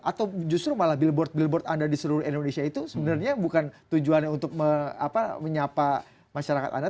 atau justru malah billboard billboard anda di seluruh indonesia itu sebenarnya bukan tujuannya untuk menyapa masyarakat anda